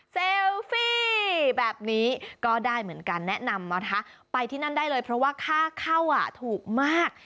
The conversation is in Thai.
ฟี่แบบนี้ก็ได้เหมือนกันแนะนำมาทะไปที่นั่นได้เลยเพราะว่าค่าเข้าถูกมาก